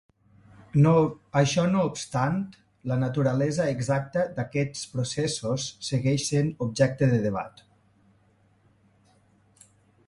Això no obstant, la naturalesa exacta d'aquests processos segueix sent objecte de debat.